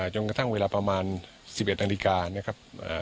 จนกระทั่งเวลาประมาณ๑๑นาฬิกานะครับ